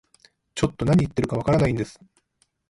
ちょっと何言ってるかわかんないです